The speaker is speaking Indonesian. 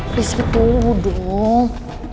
please aku dulu dong